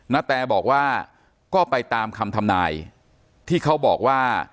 นาแตบอกว่าก็ไปตามคำทำนายที่เขาบอกว่า